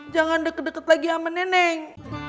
jangan deket deket lagi sama neneng